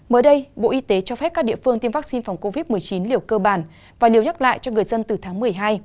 mới đây bộ y tế cho phép các địa phương tiêm vaccine phòng covid một mươi chín liều cơ bản và đều nhắc lại cho người dân từ tháng một mươi hai